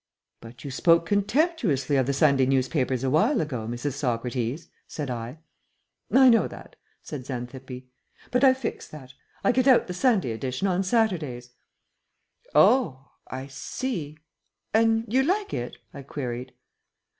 "But you spoke contemptuously of the Sunday newspapers awhile ago, Mrs. Socrates," said I. "I know that," said Xanthippe, "but I've fixed that. I get out the Sunday edition on Saturdays." "Oh I see. And you like it?" I queried.